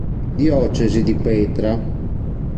Diocesi di Petra